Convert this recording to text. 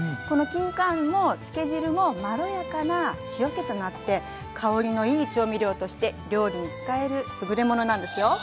このきんかんも漬け汁もまろやかな塩けとなって香りのいい調味料として料理に使えるすぐれものなんですよ。